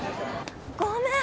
ごめん。